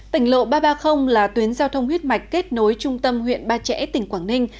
tỉnh lộ ba trăm ba mươi là tuyến giao thông huyết mạch kết nối trung tâm huyện ba trẻ tỉnh quảng ninh